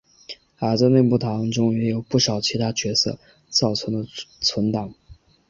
而在内部档案中也有不少其他角色造成的存档。